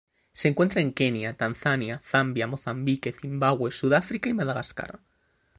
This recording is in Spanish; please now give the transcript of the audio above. Se encuentra en Kenia Tanzania Zambia Mozambique Zimbabue, Sudáfrica y Madagascar.